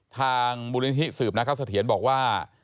ทางมูลินิธิสืบนักข้าวสะเทียนบอกว่า